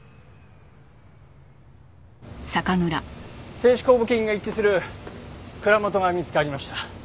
清酒酵母菌が一致する蔵元が見つかりました。